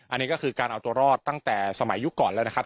อันนี้ก็คือการเอาตัวรอดตั้งแต่สมัยยุคก่อนแล้วนะครับ